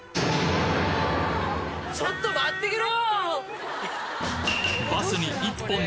ちょっと待ってけろ！